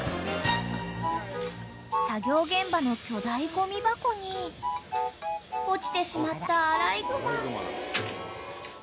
［作業現場の巨大ごみ箱に落ちてしまったアライグマ］